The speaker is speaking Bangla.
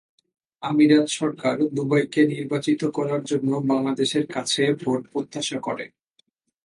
আমিরাত সরকার দুবাইকে নির্বাচিত করার জন্য বাংলাদেশের কাছে ভোট প্রত্যাশা করে।